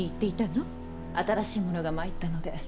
新しい者が参ったので。